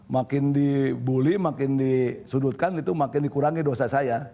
makin dibully makin disudutkan itu makin dikurangi dosa saya